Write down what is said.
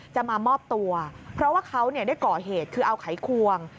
จะมามอบตัวเพราะว่าเขาได้ก่อเหตุคือเอาไขควง